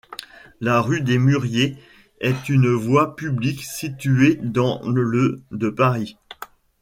La rue des Mûriers est une voie publique située dans le de Paris.